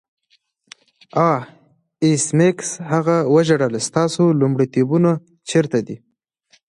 آه ایس میکس هغه وژړل ستا لومړیتوبونه چیرته دي